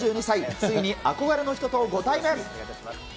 ついに憧れの人とご対面。